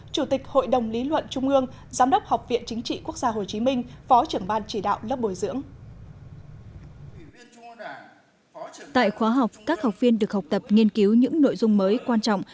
chủ tịch hội đồng lý luận trung ương giám đốc học viện chính trị quốc gia hồ chí minh phó trưởng ban chỉ đạo lớp bồi dưỡng